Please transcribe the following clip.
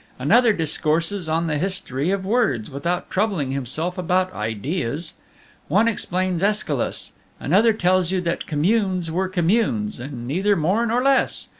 Another discourses on the history of words, without troubling himself about ideas. One explains Aeschylus, another tells you that communes were communes, and neither more nor less.